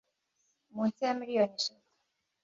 munsi ya miliyoni eshatu